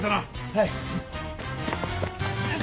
はい。